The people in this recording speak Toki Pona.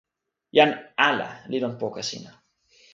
jan ala li lon poka sina.